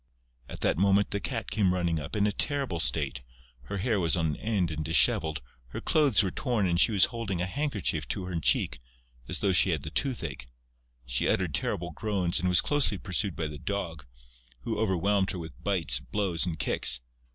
At that moment, the Cat came running up, in a terrible state: her hair was on end and dishevelled, her clothes were torn and she was holding a handkerchief to her cheek, as though she had the tooth ache. She uttered terrible groans and was closely pursued by the Dog, who overwhelmed her with bites, blows and kicks.